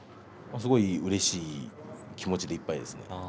すごいうれしい気持ちでいっぱいです。